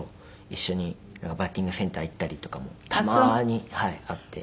一緒にバッティングセンター行ったりとかもたまーにあって。